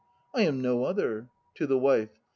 I am no other. (To the WIFE.)